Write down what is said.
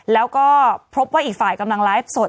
แล้วก็พบว่าอีกฝ่ายกำลังไลฟ์สด